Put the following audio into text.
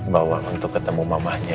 bawa untuk ketemu mamanya